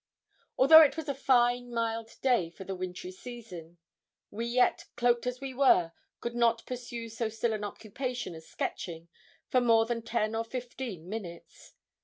Although it was a fine mild day for the wintry season, we yet, cloaked as we were, could not pursue so still an occupation as sketching for more than ten or fifteen minutes.